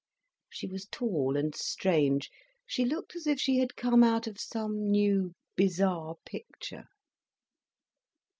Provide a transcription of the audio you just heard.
She was tall and strange, she looked as if she had come out of some new, bizarre picture.